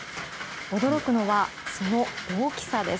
驚くのはその大きさです。